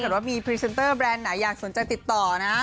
ว่ามีพรีเซนเตอร์แบรนด์ไหนอยากสนใจติดต่อนะ